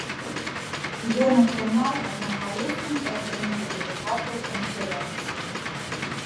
Ён атрымаў аднагалосную падтрымку дэлегатаў канферэнцыі.